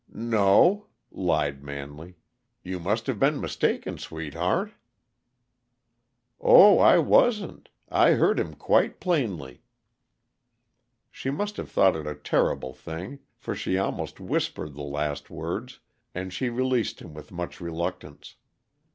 "No," lied Manley. "You must have been mistaken, sweetheart." "Oh, I wasn't; I heard him quite plainly." She must have thought it a terrible thing, for she almost whispered the last words, and she released him with much reluctance.